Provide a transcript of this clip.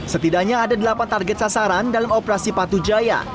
setidaknya ada delapan target sasaran dalam operasi patu jaya